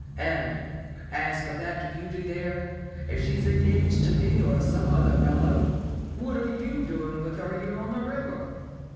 "And as for that beauty there, if she's engaged to me or some other fellow, what are you doing with her here on the river?